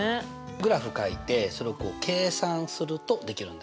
グラフかいてそれを計算するとできるんだな。